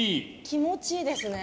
気持ちいいですね。